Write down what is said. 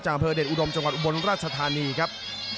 อำเภอเดชอุดมจังหวัดอุบลราชธานีครับ